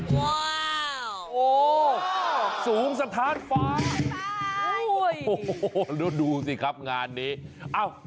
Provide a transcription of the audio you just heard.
ว้าวโอ้สูงสถานฟ้าดูดูสิครับงานนี้